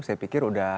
saya pikir sudah